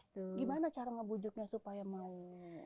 bagaimana cara membujuknya supaya mau